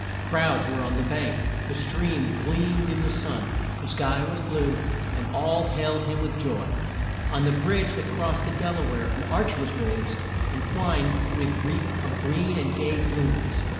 Crowds were on the bank, the stream gleamed in the sun, the sky was blue, and all hailed him with joy. On the bridge that crossed the Del a ware an arch was raised and twined with wreaths of green and gay blooms.